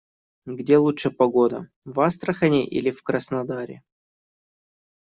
Где лучше погода - в Астрахани или в Краснодаре?